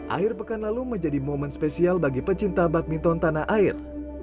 akhir pekan lalu menjadi momen spesial bagi pecinta badminton tanah air